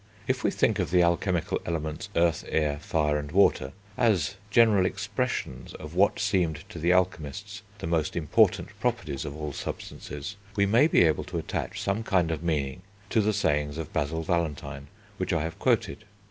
If we think of the alchemical elements earth, air, fire, and water, as general expressions of what seemed to the alchemists the most important properties of all substances, we may be able to attach some kind of meaning to the sayings of Basil Valentine, which I have quoted.